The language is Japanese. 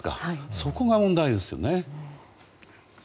そこが問題ですよね。